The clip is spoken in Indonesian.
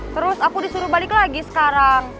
terus aku disuruh balik lagi sekarang